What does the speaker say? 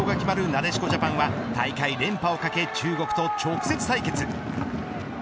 なでしこジャパンは大会連覇をかけ中国と直接対決。